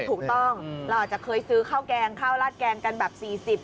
ถูกต้องเราอาจจะเคยซื้อข้าวแกงกันแบบ๔๐